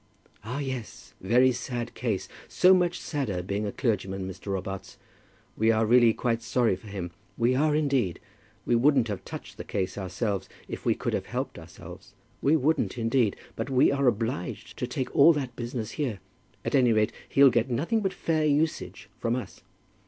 "Ah, yes; very sad case! So much sadder being a clergyman, Mr. Robarts. We are really quite sorry for him; we are indeed. We wouldn't have touched the case ourselves if we could have helped ourselves. We wouldn't indeed. But we are obliged to take all that business here. At any rate he'll get nothing but fair usage from us."